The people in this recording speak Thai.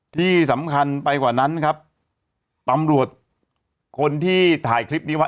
ที่สำคัญไปกว่านั้นครับตำรวจคนที่ถ่ายคลิปนี้ไว้